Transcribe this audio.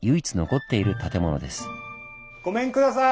ごめんください。